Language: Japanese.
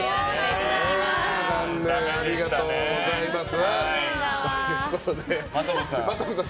ありがとうございます。